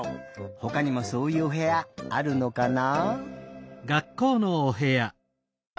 ほかにもそういうおへやあるのかな？